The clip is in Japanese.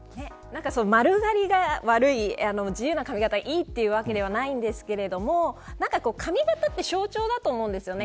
丸刈りが悪い、自由な髪形がいいというわけではないんですけれども髪形って象徴だと思うんですよね。